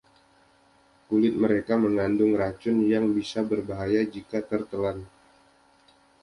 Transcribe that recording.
Kulit mereka mengandung racun yang bisa berbahaya jika tertelan.